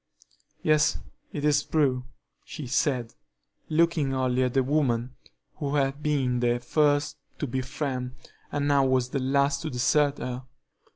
"Yes, it is true," she said, looking only at the woman who had been the first to befriend and now was the last to desert her.